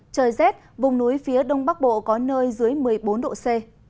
trời rét vùng núi phía đông bắc bộ có nơi dưới một mươi bốn độ c